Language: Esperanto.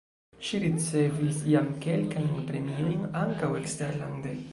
Ŝi ricevis jam kelkajn premiojn (ankaŭ eksterlande).